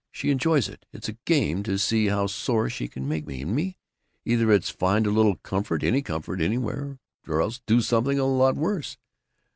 She enjoys it. It's a game to see how sore she can make me. And me, either it's find a little comfort, any comfort, anywhere, or else do something a lot worse.